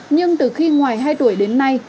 nhưng từ khi ngoài hai tuổi đến nay